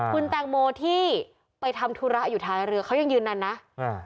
คุณแตงโมที่ไปทำธุระอยู่ท้ายเรือเขายังยืนยันนะอ่า